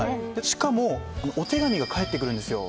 しかもお手紙が返ってくるんですよ